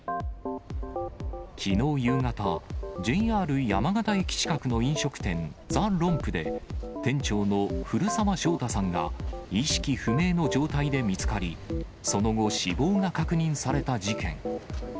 きのう夕方、ＪＲ山形駅近くの飲食店、ザ・ロンプで、店長の古沢将太さんが意識不明の状態で見つかり、その後、死亡が確認された事件。